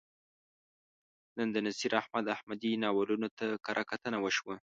نن د نصیر احمد احمدي ناولونو ته کرهکتنه وشوه.